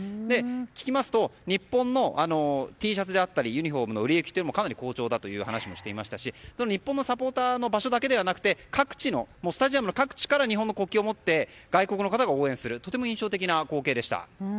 聞きますと日本のＴシャツだったりユニホームの売れ行きもかなり好調だと話していましたし日本のサポーターの場所だけではなくてスタジアム各地から日本の国旗を持って外国の方が応援するとても印象的な光景でした。